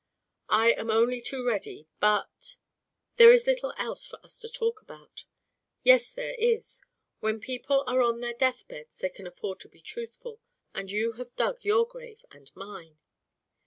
"I am only too ready. But there is little else for us to talk about!" "Yes, there is! When people are on their deathbeds they can afford to be truthful, and you have dug your grave and mine."